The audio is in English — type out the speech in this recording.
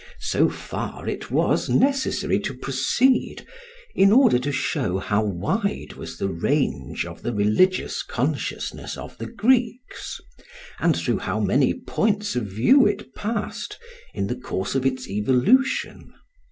So far it was necessary to proceed, in order to show how wide was the range of the religious consciousness of the Greeks, and through how many points of view it passed in the course of its evolution.